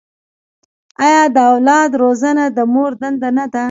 آیا د اولاد روزنه د مور دنده نه ده؟